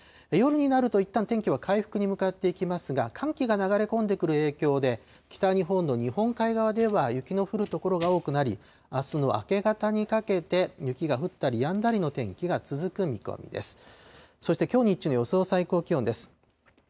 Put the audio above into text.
夜になるといったん天気は回復に向かっていきますが、寒気が流れ込んでくる影響で、北日本の日本海側では雪の降る所が多くなり、あすの明け方にかけて雪が降ったりやんだりの天気が続く見込みです。